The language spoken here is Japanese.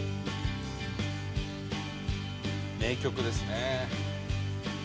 名曲ですね